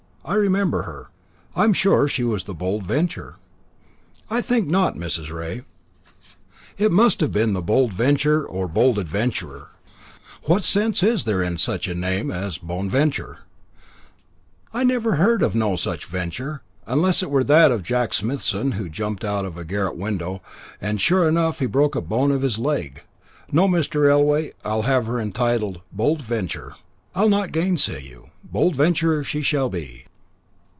I remember her." "I'm sure she was the Bold Venture." "I think not, Mrs. Rea." "It must have been the Bold Venture or Bold Adventurer. What sense is there in such a name as Boneventure? I never heard of no such venture, unless it were that of Jack Smithson, who jumped out of a garret window, and sure enough he broke a bone of his leg. No, Mr. Elway, I'll have her entitled the Bold Venture." "I'll not gainsay you. Bold Venture she shall be."